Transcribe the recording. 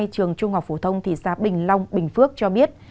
trường trung học phổ thông thị xã bình long bình phước cho biết